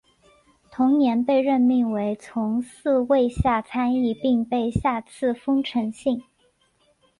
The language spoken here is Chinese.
同年被任命为从四位下参议并被下赐丰臣姓。